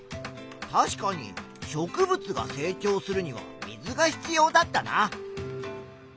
確かに植物が成長するには水が必要だったな。